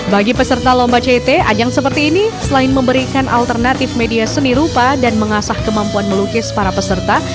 bagi peserta lomba ct ajang seperti ini selain memberikan alternatif media seni rupa dan mengasah kemampuan melukis para peserta